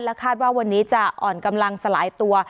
คาดว่าวันนี้จะอ่อนกำลังสลายตัว